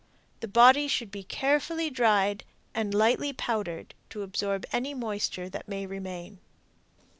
The body should be carefully dried and lightly powdered to absorb any moisture that may remain.